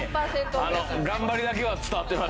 頑張りだけは伝わってます。